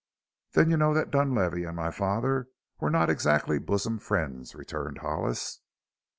"Then you know that Dunlavey and my father were not exactly bosom friends," returned Hollis.